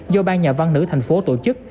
do ban nhà văn nữ thành phố tổ chức